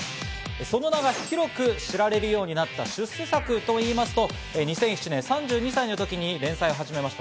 その名が広く知られるようになった出世作といいますと、２００７年、３２歳の時に連載を始めました。